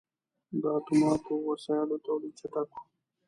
• د اتوماتو وسایلو تولید چټک و.